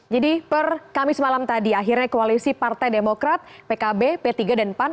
jadi per kamis malam tadi akhirnya koalisi partai demokrat pkb p tiga dan pan